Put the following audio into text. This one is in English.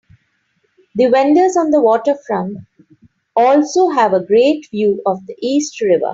The vendors on the waterfront also have a great view of the East River.